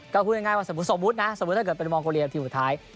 ก็ผิดง่ายว่าสมมุตินะถ้าเกิดเป็นมองโกเลียเป็นทีมสุดท้าย